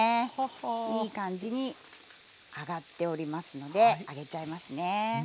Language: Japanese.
いい感じに揚がっておりますので上げちゃいますね。